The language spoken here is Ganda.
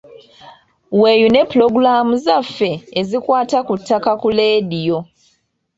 Weeyune Pulogulaamu zaffe ezikwata ku ttaka ku leediyo.